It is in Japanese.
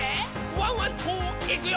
ワンワンといくよ」